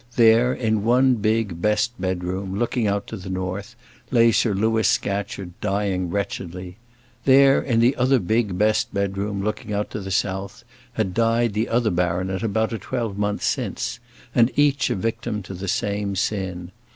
There, in one big, best bedroom, looking out to the north, lay Sir Louis Scatcherd, dying wretchedly. There, in the other big, best bedroom, looking out to the south, had died the other baronet about a twelvemonth since, and each a victim to the same sin.